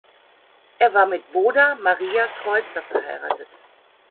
Er war mit Boda Maria Kreutzer verheiratet.